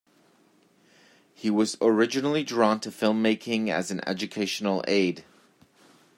He was originally drawn to film making as an educational aid.